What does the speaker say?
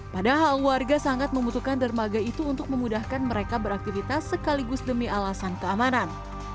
padahal warga sangat membutuhkan dermaga itu untuk memudahkan mereka beraktivitas sekaligus demi alasan keamanan